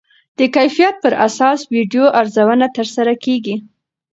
د کیفیت پر اساس ویډیو ارزونه ترسره کېږي.